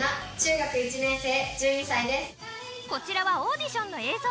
こちらはオーディションの映像。